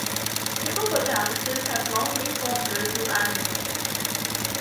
Hippopotamuses have long been popular zoo animals.